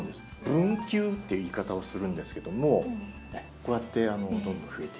「分球」という言い方をするんですけどもこうやってどんどん増えていく。